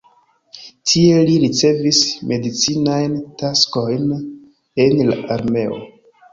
Tie li ricevis medicinajn taskojn en la armeo.